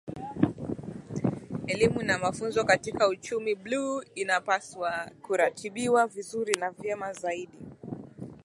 Elimu na mafunzo katika Uchumi Bluu inapaswa kuratibiwa vizuri na vyema zaidi